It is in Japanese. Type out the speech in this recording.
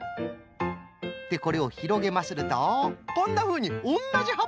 でこれをひろげまするとこんなふうにおんなじはばのおりめができるんじゃよ。